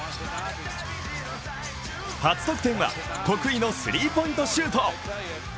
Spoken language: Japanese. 初得点は得意のスリーポイントシュート。